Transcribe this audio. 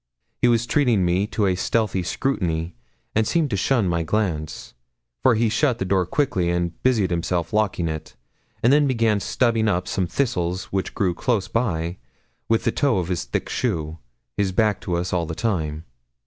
He was treating me to a stealthy scrutiny, and seemed to shun my glance, for he shut the door quickly, and busied himself locking it, and then began stubbing up some thistles which grew close by, with the toe of his thick shoe, his back to us all the time.